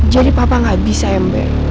jadi papa gak bisa ya mbak